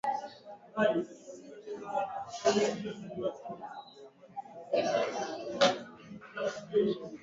Mifugo huambukizwa kwa kula majani yaliyoambukizwa na mayai ya minyoo au viluilui